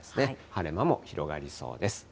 晴れ間も広がりそうです。